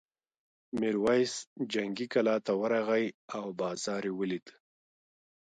میرويس جنګي کلا ته ورغی او بازار یې ولید.